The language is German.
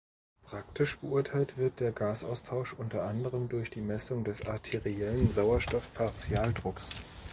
Praktisch beurteilt wird der Gasaustausch unter anderem durch die Messung des arteriellen Sauerstoff-Partialdrucks.